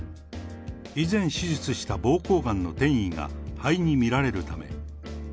以前手術したぼうこうがんの転移が肺に見られるため。